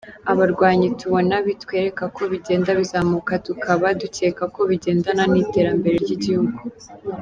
Abarwayi tubona bitwereka ko bigenda bizamuka, tukaba dukeka ko bigendana n’iterambere ry’igihugu.